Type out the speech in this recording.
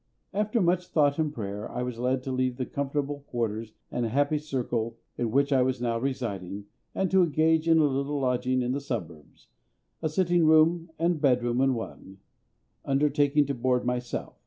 After much thought and prayer I was led to leave the comfortable quarters and happy circle in which I was now residing, and to engage a little lodging in the suburbs a sitting room and bedroom in one undertaking to board myself.